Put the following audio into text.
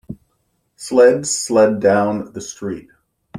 sleds sled down the street